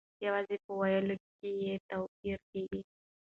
یوازې په ویلو کې یې توپیر کیږي.